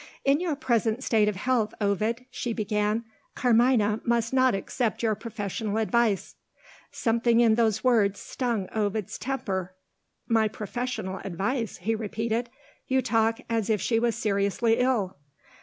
"In your present state of health, Ovid," she began, "Carmina must not accept your professional advice." Something in those words stung Ovid's temper. "My professional advice?" he repeated. "You talk as if she was seriously ill!"